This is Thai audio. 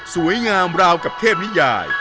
งามราวกับเทพนิยาย